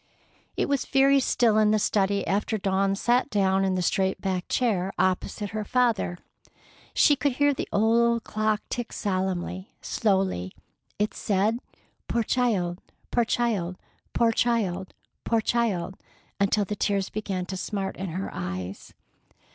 It was very still in the study after Dawn sat down in the straight backed chair opposite her father. She could hear the old clock tick solemnly, slowly. It said, "Poor child! Poor child! Poor child! Poor child!" until the tears began to smart in her eyes.